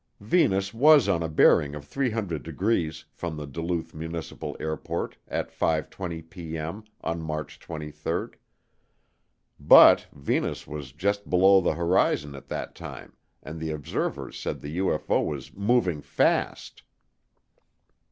Venus was on a bearing of 300 degrees from the Duluth Municipal Airport at 5:20P.M. on March 23rd. But Venus was just below the horizon at that time and the observers said the UFO was "moving fast."